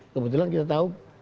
kebetulan kita tahu